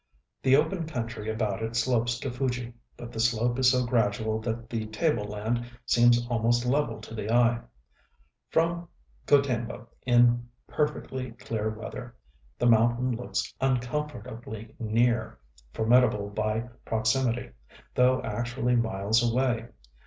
The open country about it slopes to Fuji; but the slope is so gradual that the table land seems almost level to the eye. From Gotemba in perfectly clear weather the mountain looks uncomfortably near, formidable by proximity, though actually miles away.